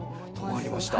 留まりました。